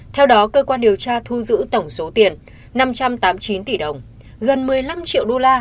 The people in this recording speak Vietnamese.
theo đó cơ quan điều tra thu giữ tổng số tiền năm trăm tám mươi chín tỷ đồng gần một mươi năm triệu đô la